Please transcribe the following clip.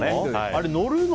あれ乗るの？